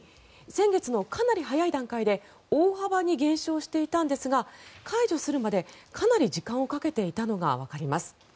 先月のかなり早い段階で大幅に減少していたんですが解除するまでかなり時間をかけていたのがわかります。